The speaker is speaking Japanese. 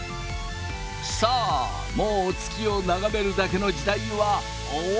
さあもう月を眺めるだけの時代は終わりだ！